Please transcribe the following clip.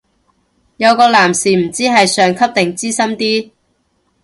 有個男士唔知係上級定資深啲